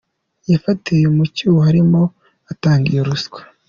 Yafatiwe mu cyuho arimo atanga iyo ruswa.